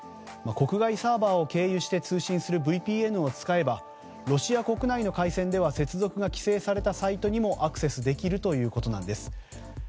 国外サーバーを経由して通信するＶＰＮを使えばロシア国内の回線では接続が規制されたサイトにもアクセスできるということです。